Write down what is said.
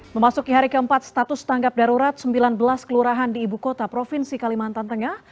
memasuki hari keempat status tanggap darurat sembilan belas kelurahan di ibu kota provinsi kalimantan tengah